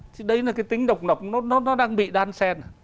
thì đấy là cái tính độc lập nó đang bị đan sen